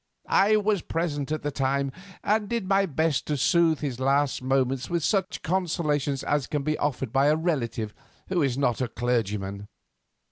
I was present at the time, and did my best to soothe his last moments with such consolations as can be offered by a relative who is not a clergyman.